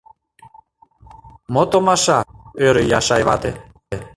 — Мо томаша?! — ӧрӧ Яшай вате.